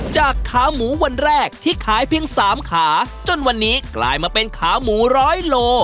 ขาหมูวันแรกที่ขายเพียงสามขาจนวันนี้กลายมาเป็นขาหมูร้อยโล